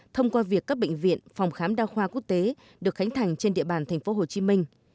thông qua việc các bệnh viện phòng khám đa khoa quốc tế được khánh thành trên địa bàn tp hcm